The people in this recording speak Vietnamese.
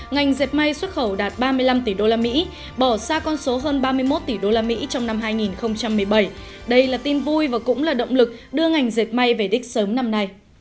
ngành dệt may xuất khẩu đạt ba mươi năm tỷ usd bỏ xa con số hơn ba mươi một tỷ usd